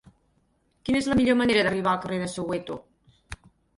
Quina és la millor manera d'arribar al carrer de Soweto?